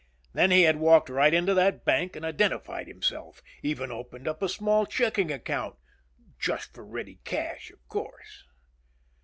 Then he had walked right into that bank and identified himself. Even opened up a small checking account. "Just for ready cash, of course."